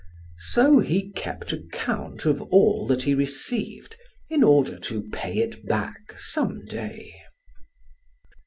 So he kept account of all that he received in order to pay it back some day.